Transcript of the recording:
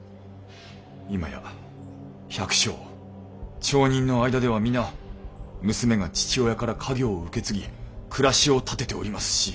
今や百姓町人の間では皆娘が父親から家業を受け継ぎ暮らしを立てておりますし。